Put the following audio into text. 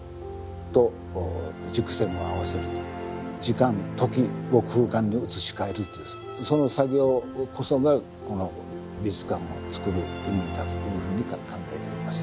時間時を空間に移し替えるというその作業こそがこの美術館をつくる意味だというふうに考えています。